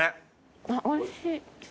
あっおいしい。